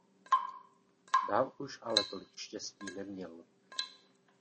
Dál už ale tolik štěstí neměl.